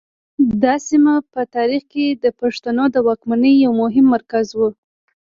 دا سیمه په تاریخ کې د پښتنو د واکمنۍ یو مهم مرکز و